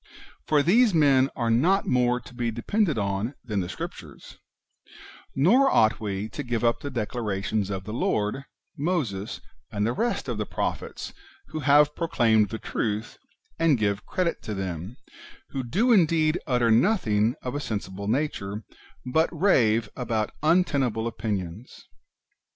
For these men are not more to be depended on than the Scriptures ; nor ought we to give up the declarations of the Lord, Moses, and the rest of the prophets, who have pro claimed the truth, and give credit to them, who do indeed utter nothing of a sensible nature, but rave about untenable opinions.